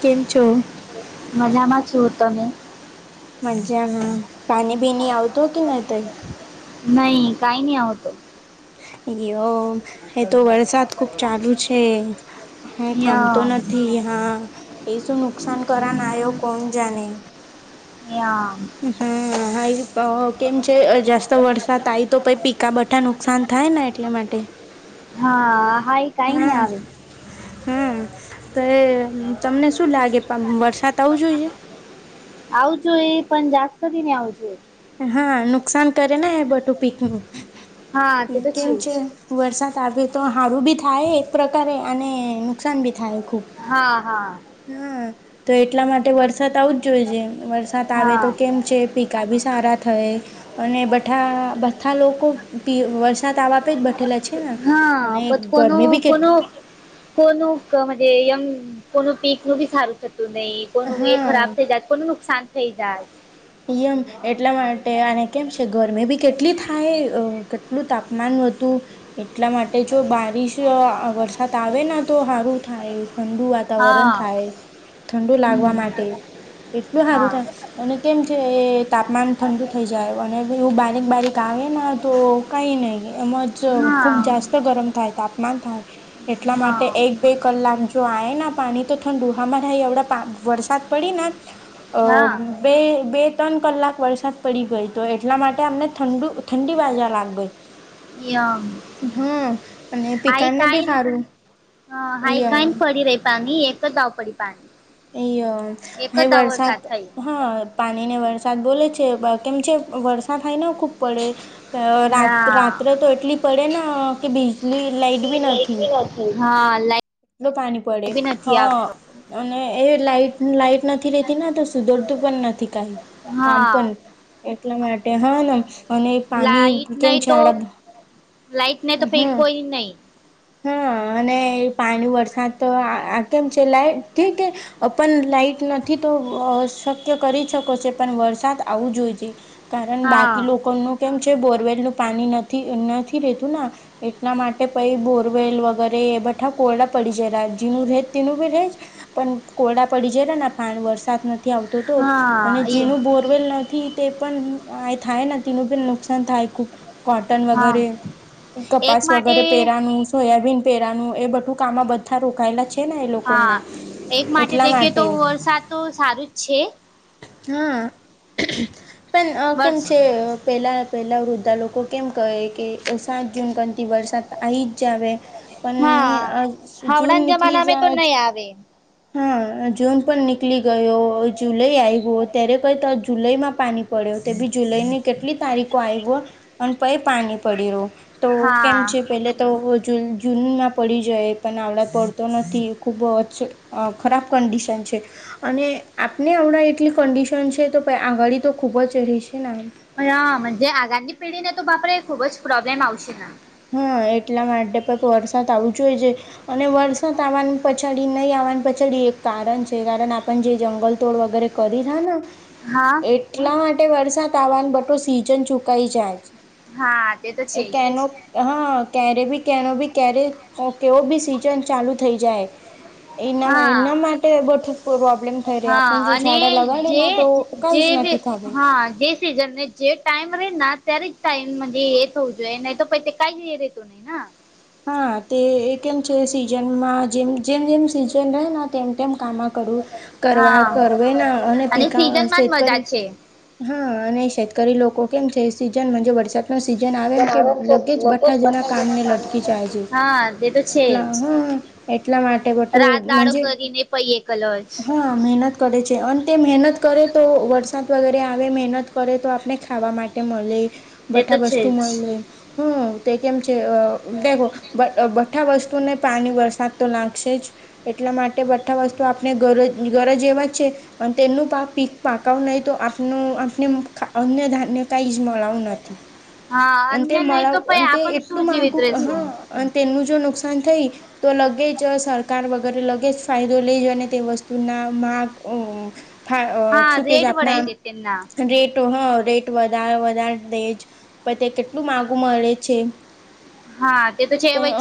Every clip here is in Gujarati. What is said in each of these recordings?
કેમ છો? મજામાંછું હોત તમે? મજા માં પાણી બીની આવતો કે નહી તઈ નહી કઈ નહી આવતો એ તો વરસાદ ખુબ ચાલુ છે હું થાબતો યમ નથી હા એ શું નુકસાન કર ના આયો કોણ જાણે યા હ હા હાઈ અ કેમ છે જાસ્ત વરસાદ આવી તો પીકાબઠા નુકસાન થાય ને એટલે માટે હા હા કાઈ ને હા આવે હમ તો એ તમને શું લાગે વરસાદ આવું જોઈએ આવુંતો એ પણ જાસ્તથી નહ આવતું હા નુકસાન કરે ને એ બટું પીક નું હા તે તો કેમ જ છે વરસાદ આવે તો હારું બી થાય એક પ્રકારે અને નુકસાન બી થાય ખૂબ હા હા હા તો એટલા માટે વરસાદ આવું જ જોઈ છે વરસાદ આવે તો હા કેમ છે પિકા ભી સારા થય અને બઠા બધા લોકો વરસાદ આવવા પે બેઠેલા છે ને હા અને [unintelligible] કોનો ગરમી બી કેટલી કોનુંજ એમ કોનું પીક નું બી સારું થતું નહી કોનું એ હા ખરાબ થઈ જાયત કોનું નુકસાન થઈ જાય એમ એટલા માટે અને કેમ છે ગરમી બી કેટલી થાય કેટલું તાપમાન હતું એટલા માટે જો બારીશ વરસાદ આવે તો સારું થાય ઠંડુ વાતાવરણ હા થાય ઠંડુ લાગવા હમ માટે કેટલું હારું થાય હા અને કેમ છે એ તાપમાન ઠંડુ થઈ જાય અને એવું બારીક બારીક આવે ને તો કઈ નહી એમાં હા ખૂબ જાસ્ત ગરમ થાય તાપમાન થાય એટલા હા માટે એક બે કલાક જો આવે પાણી તો ઠંડુ ઉહામાં રાય એવડા પા વરસાદ પડી અ હા બે બે ત્રણ કલાક વરસાદ પડી ગઈ. તો એટલા માટે અમને ઠંડ ઠંડી બાજા લાગ ગઈ યા હમ અને પિકાને બી હારું [unintelligible] એક જ દાવ વરસાદ થયો [unintelligible] પાણી ને વરસાદ બોલે છે કેમ છે વરસાા થાયને ખૂબ પડે રા હા રાત્ર તો એટલી પડે ને કે બીજલી લાઈટ બી નથી. હા. લાઈટ પાણી પડે બી હ નથી આવતો અને એ લાઈટ લાઈટ નથી રેતી ના તો સુધરતું પણ નથી કઈ કામ હા પણ એટલા માટે હા અને પાણી કેમ [unintelligible] લાઇટ ને તો ફેક હમ કોઈ નહીં હા અને પાણી વરસાદ તો કેમ છે લાઈટ [unintelligible] પન લાાઈટ નથી તો શક્ય કરી શકો છ પણ વરસાદ આવું જોઈ છે કારણ બાકી હા લોકોનું કેમ છે બોરવેલ નું પાણી નથી નથી રેતું ના એટલા માટે પહિ બોરવેલ વગેરે એ બધા કોરડા પડી જાયજીનું રહેજ તેનું બી રજ પણ કોડા પડી જપા વરસાદ નથી આવતો તો તો અને હા એ જેનું બોરવેલ નથી તે પણ આ થાય તેનું પણ નુકસાન થાય ખુબ કોટન હા વગેરે એક કપાસ માટે વગેરે પેરાનું સોયાબીન પેરાનું એ બધું કામમાં બધા રોકાયેલા છે. ને એ હા લોકોના એક માટે દેખએ તો વરસાદ તો સારું જ છે. હા પણ કેમ બસ છે પેલા પહેલાં વૃદ્ધા લોકો કેમ કહે કે સાત જૂન કથી વરસાદ આવી જ જવે પણ હા આ જૂન હવડાન નીકલી છે જમાનામે તો આજ નહી આવે હા જૂન પણ નીકળી ગયો જુલાઈ આવ ગયો ત્યારે કઈ તો જુલાઈ માં પાણી પડ્યો તે ભી જુલાઈ ની કેટલી તારીખો આવી ગ અને પ પાણી પડી રહ્યું તો હા કેમ છે પેલે તો જૂનમાં પડી જાય પણ આવડા પડતો નથી ખુબ જ ખરાબ કન્ડિશન છે અને આપને હમણાં એટલી કંડિશન છે તો આંગળ તો ખૂબ જ ર છે નેમ હાજ આગામની પિઢીને તો બાપરે ખૂબ જ પ્રોબ્લેમ આવશે હા એટલા માટે પણ વરસાદ આવું જો હોઈ છે અને વરસાદ આવવા પછાડી નહીં આવવાની પછાડી એક કારણ છે કારણ આપણ જે જંગલ તોડ વગેરે કરી રહ ના હા એટલા માટે વરસાદ આવવાનું બટો સીઝન ચુકાઈ જાય છે હા તે તો એ છે કે એનો હા ક્યારે બી કેનો ભી ક્યારે કેવો બી સીઝન ચાલુ થઈ જાય એના એના હા માટે બધું પ્રોબ્લેમ થઈ રહી આપને હા જો અને ઝાડા લગાડે જે તો કઈ જે જ નથી થવે. હા જે સન ને જે ટાઈમ ર ત્યારે જ ટાઈમ એ થવું જોઈએ નહી તો પ કઈ જ રેતું ના હા તે કેમ છે સીઝનમાં જેમ જેમ જેમ સીઝન રહેને તેમ તેમ કામ કરું કરવા કર ના અને પીકા માં જ શેદ મજા કરી છે. હા અને શતકરી લોકો કેમ છે સીઝન વરસાદ સીઝન આવે એમ પણ કે હવે તો લગે જ લગભગ બઠા જના બધા જેના કામને લટ કામની જાય વસ્તુ છે હા તે તો છે એટલા જ. હા એટલા માટે રાત બટું દાડો કરીને પૈએ કલરસ હા મહેનત કરે છે અને તે મહેનત કરે તો વરસાદ વગેરે આવે મહેનત કરે તો આપણે ખાવા માટે મળે એ તો બઠા છે વસ્તુ જ મળી લે હમ તે કેમ છે ખો બ મીઠા વસ્તુને પાણી વરસાદ તો લાગશે જ. એટલા માટે બધા વસ્તુ આપણે ગર ગરજ એવા જ છે અને તેનું પા પાક નહીિ તો આપ આપને અન્ય ધાન્ય કઈ જ મળવું નથી. ઠી હા અન્ય નહી તો પાઈ આપણ શું જીવીત માગું રશું. હા અને તેનું જો નુકસાન થાય તો લગે જ સરકાર વગરે લગે જ ફાયદો લઈ જને તે વસ્તુના માગ શું કેજ આપના રેટ હ રેટ વધારે વધારે દેજ પછ તે કેટલું માગું મળે છે.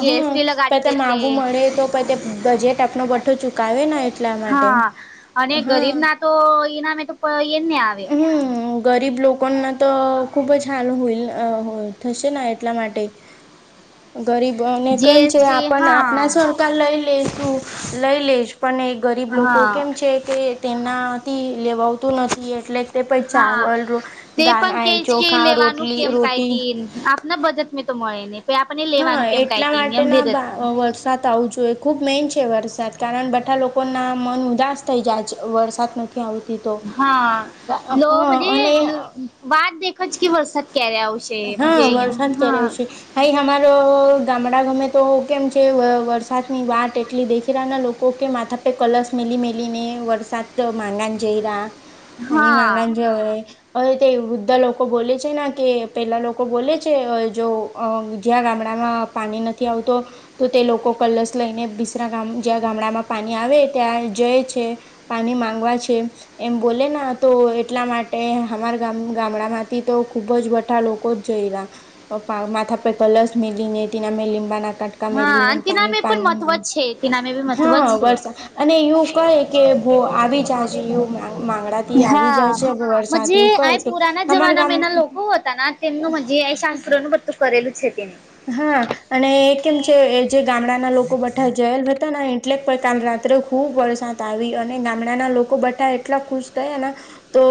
હમ પ માગું મળે તો પ બજેટ આપનો બઠો ચુક ક આવે ના એટલા માટે અને હા ગરીબ ના તો એનામે તો એ જ ને આવે હમ ગરીબ લોકોના તો ખુબ જ હાલ હો થશે ના એટલા માટે. ગરીબોને કેમ છે જીએસટી આપણ આપણા હા છો. ટકા લઈ લે તું લઈ લેજ પણ એ ગરીબ લોકો હા કેમ છે કે. તેનાથી લેવા આવતું નથી એટલે તે પણ હા ચાવલ રો તે પણ કે ધાાનાય જ કે ચોખા લેવાનું રોટલી કેમ રોટી કાયતી આપના બજેટ તો મળે ને પ આપણને હા લેવાનું કેમ એટલા કાયતી માટે એમ ધીરજ ના વરસાદ આવું જોઈએ ખૂબ મેન છે વરસાદ કારણ બધા લોકોના મન ઉદાસ થઈ જાયજ વરસાદ નથી આવતો. હા લો મ અને વાત દેખ જ કે વરસાદ ક્યારે આવશે. હા મજે એમ વરસાદ કર હા રહ્યો છે. હાઈ, અમારો ગામડા ગમે તો કેમ છે? વરસાદની વાત એટલી દેખી રહ્યાના લોકો ઓકે, માથા પે કલર્સ મેલી-મેલી ને વરસાદ માગ જઈ રહ્યા. પાણી હા માંગણ છે હવે. તે વૃદ્ધા લોકો બોલે છે ને કે પહેલાં લોકો બોલે છે, જો જ્યાં ગામડામાં પાણી નથી આવતો તો તે લોકો કલસ લઈને, બિસરા જ્યાં ગામડામાં પાણી આવે ત્યાં જાય છે. પાણી માંગવા છે. એમ બોલે તો, એટલા માટે અમારા ગામડા માંથી તો ખુબ જ લોકો જ જઈ રહ્યા, માથા પર કલર્સ મેળી ને, તેના મેં લીંબાના કા હા અને મેલીને તેના મે પણ મહત્વ પાન, જ છે તેના મે બી મહત્વ જ હા, છે વરસાદ અને એવું કહે. કે ભો આવી જાય છે, એવું મગળથી આવી જાય હા છે, વરસાદ આ કંઈ પુરાના જમાનામાં એના લોકો હતા, તેમનું મ શાસ્ત્રો નું બધું કરેલું છે તેને. હા, અને એ કેમ છે, જે ગામડાના લોકો બેઠા જાયેલા હતા. એટલે કે, રાત્રે ખુબ વરસાદ આવી, અને ગામડાના લોકો બઠા એટલા ખુશ થયા ને. તો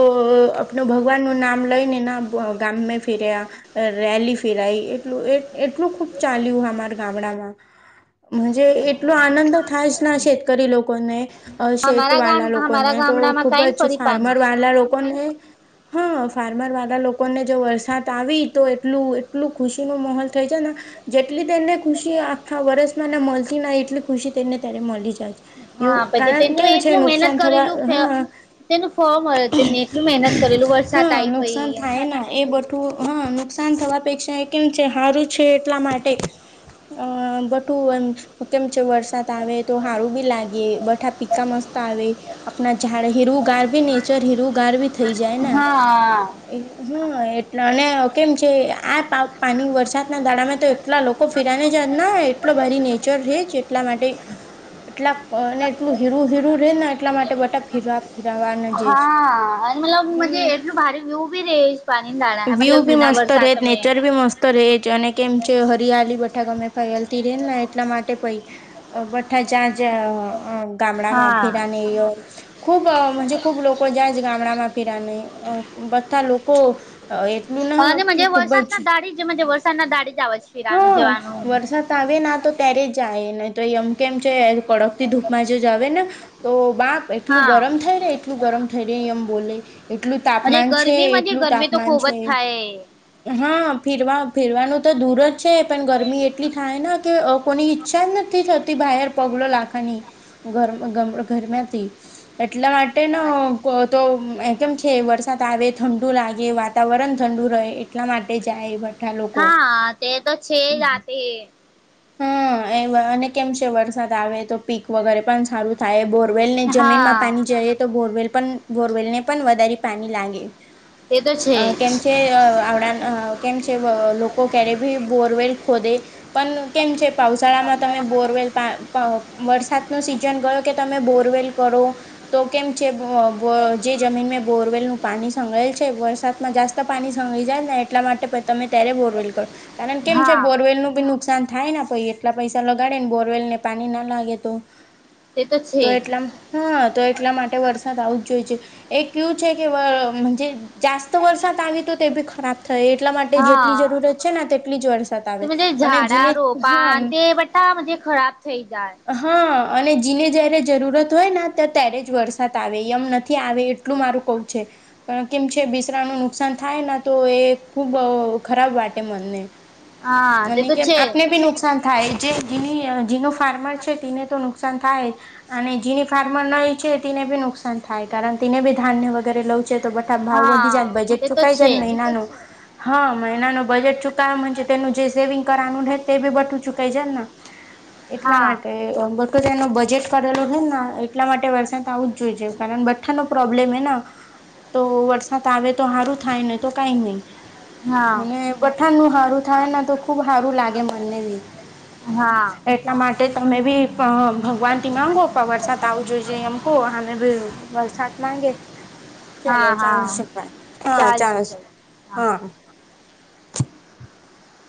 આપણ ભગવાનનું નામ લઈને, ગામમાં ફેર્યા. રેલી ફેરાઈ, એટલું એટલું ખુબ ચાલ્યું અમારા ગામડામાં. જ એટલો આનંદ થાય જ ના છે, લોકોને. અ શત અમારા ગામ વાલા અમારા લોકોને તો, ગામડામાં ખૂબ કાઈ ને જ પડી ફાર્મર પાણી વાલા લોકોને હા, ફાર્મર વાળા લોકોને જો વરસાદ આવે, તો એટલું એટલું ખુશીનો માહોલ થઈ જઈને. જેટલી તેને ખુશી આખા વર્ષમાં ના મળતી, ના એટલી ખુશી તેને ત્યારે મળી જાય છે. હા એવું પછી કારણ તેનું કેમ છે, એટલું મહેનત નુકસાન થવા? કરેલું ફે હા. તેનું ફોર્મ મળ્યો, તેને એટલું મહેનત કરેલું, વરસાદ હા આવી પઈ. નુકસાન થાય ને, એ બધું. હ, નુકસાન થવા પેક્ષા એ કેમ છે, હારું. છે, એટલા માટે, અ બધું એમ. કેમ છે, વરસાદ આવે તો સારું બી લાગે. બઠા પીકા મસ્ત આવે, આપણા ઝાડ ની હીરુગાર, ભી નેચર હીરુગાર ભી. થઈ જાય એમ ને. હા હા, એટલે, અને કેમ છે, આ પા પાણી, વરસાદ દાડામાં તો એટલા લોકો ફિરાને જ જ, ના એટલો બારી નેચર છે, એટલા માટે. એટલા, અને એટલું હીરું હીરું રે ને, એટલા માટે બટા હીરો આપે. હા, અને મતલબ જ હમ એટલું ભારે એવું ભી રહે, પાણી દાણા વ્યૂ મતલબ બી વિના મસ્ત રહે વરસાદ. તમે નેચર બી મસ્ત રહે. જે, અને કેમ છે, હરિયાળલી બેઠક, અમે પયાલતી રેને, એટલા માટે પઈ. અ બઠા જાંજ ગામડામાં હા ફેરાનેયો ખૂબ જ, ખુબ લોકો જાય જ ગામડામાં ફિરાને, બધા લોકો. એટલું ના અને કે ખૂબ વરસાદ ના જ દાઢી વરસાદ ના દાઢી જ આવે છે. ફિરાનું હા, જવાનું વરસાદ. આવે ને, તો ત્યારે જાય ને. તો એમ કેમ છે, કડક થી ધૂપમાં જો જાવ ને તો બાપ, એટલું હા ગરમ થઈ રે, એટલું ગરમ થઈ રે, આમ બોલે. એટલું તાપમાન છે, એટલું તાપમાન છે. હા, ફરવા-ફીરવાનું તો દૂર જ છે, પણ ગરમી એટલી થાય. કે, કોની ઈચ્છા નથી થતી બહાર પગલો લાખવાની. ગરમ ગમ ગરમ્યાથી. એટલા માટે તો, કેમ છે, વરસાદ આવે, ઠંડુ લાગે, વાત. વાતાવરણ ઠંડુ રહે, એટલા માટે જાય, બધા લોકો. હા, તે તો છે, ત્યાંથી. હમ, એ, અને કેમ છે, વરસાદ આવે તો, પાક વગેરે પણ સારું. થાય, બોરવેલને હા જમીનમાં પાણી જઈએ, તો બોરવેલ પણ બોરવેલને પણ વધારે પાણી લાગે. તે તો છે અને કેમ છે, જ આવડા કેમ છે, લોકો ક્યારે ભી બોરવેલ ખોદે પણ કેમ છે પાવશાળામાં તમે બોરવેલ વરસાદ નો સિઝન ગયો કે તમે બોરવેલ કરો તો કેમ છે જે જમીન બોરવેલ નું પાણી સંગૃળેલ છે વરસાદમાં જાત પાણી સંંગળી જાય ને એટલા માટે તમે ત્યારે બોરવેલ કરો કારણ કેમ હા છે બોરવેલ નું બી નુકસાન થાયને કોઈ એટલા પૈસા લગાડે ને બોરવેલ ને પાણી ના લાગે તો છે તો જ એટલા હા તો એટલા માટે વરસાદ આવું જ જોઈ છે એક એવુ છે કેજ જાસ્ત વરસાદ આવી તો તે બી ખરાબ થઈ એટલા માટે જેટલી જરૂરત છે ને તેટલી જ વર્ ઝાડા રોપાણ તે બધા ખરાબ થઈ જાય હા અને જીને જયારે જરૂરત હોય ત્યારે જ વરસાદ આવે એમ નથી આવે એટલું મારું કેવુવ છે પણ કેમ છે બિસરા ન નુકસાન થાય તો એ ખૂબ ખરાબ વાટે મનને હા મ તે તો કેમ છે આપને બી નુકસાન નુકસાન થાય જે ઘીની જીનો ફાર્મર છે તેને તો નુકસાન થાય અને જે ફાર્મર નહી ઈચ્છે તેને બી નુકસાન થાય કારણ તેને બી ધાન ને વગેરે લઉ તો બા હા ભાવ વધી જાય બજેટ તે તો ચુકાઈ છે જાય મહિનાનું હા મહિના ન બજેટ ચુકાઈ તેનું જે સેવિંગ કરવાનું તે બી બધુ ચુકાઈજાય એટલા હા માટે તો તેનું બજેટ કરેલોું છેને એટલા માટે વરસાદ આવું જ જોઈ છે કારણ બથ્ઠાનો પ્રોબ્લેમ હ તો વરસાદ આવે તો સારું થાય ને તો કઈ નહી હા અને બઠાણ નું સારું થાય તો ખુબ સારું લાગે મનને બી હા એટ એટલા માટે તમે બી ભગવાનથી માગો પણ વરસાદ આવું જોઈએઈએ એમ કહો આમે બી વરસાદ માગે હા હા હા ચાલ શું ચાન્સ કે હા